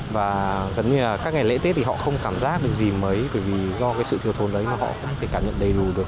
và gần như là các ngày lễ tết thì họ không cảm giác được gì mấy bởi vì do cái sự thiếu thốn đấy mà họ không thể cảm nhận đầy đủ được